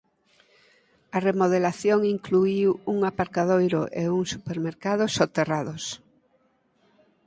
A remodelación incluíu un aparcadoiro e un supermercado soterrados.